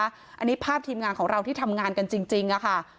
อันนี้ภาพทีมงานของเราที่ทำงานกันจริงค่ะ